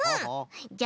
じゃあね